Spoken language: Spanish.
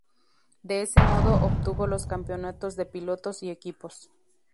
De ese modo, obtuvo los campeonatos de pilotos y equipos.